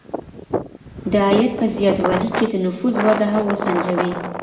د عاید په زیاتوالي کي د نفوس وده هم وسنجوئ.